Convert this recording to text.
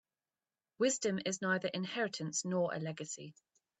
Wisdom is neither inheritance nor a legacy.